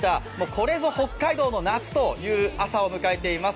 これぞ北海道の夏という朝を迎えています。